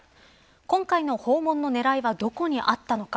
今回の訪問の狙いはどこにあったのか。